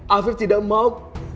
afif tidak mau